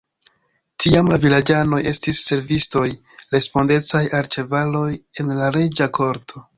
Tiam la vilaĝanoj estis servistoj respondecaj al ĉevaloj en la reĝa korto.